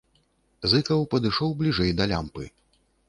Зыкаў падышоў бліжэй да лямпы.